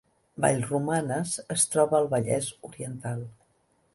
Vallromanes es troba al Vallès Oriental